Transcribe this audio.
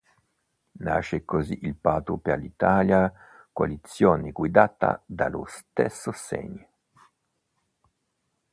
Nasce così il Patto per l'Italia, coalizione guidata dallo stesso Segni.